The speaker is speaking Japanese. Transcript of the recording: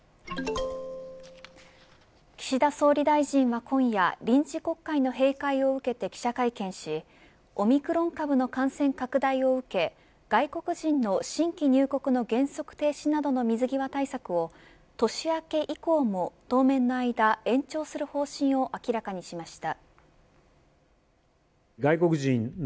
岸田総理大臣は今夜臨時国会の閉会を受けて記者会見しオミクロン株の感染拡大を受け外国人の新規入国の原則停止などの水際対策を年明け以降も当面の間延長する方針を明らかにしました。